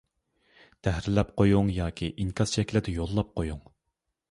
تەھرىرلەپ قويۇڭ، ياكى ئىنكاس شەكلىدە يوللاپ قويۇڭ.